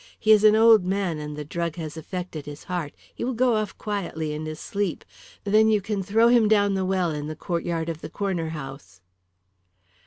He is an old man, and the drug has affected his heart. He will go off quietly in his sleep. Then you can throw him down the well in the courtyard of the Corner House."